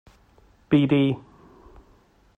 Bd.